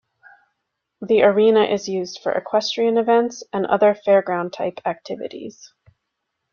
The arena is used for equestrian events, and other fairground type activities.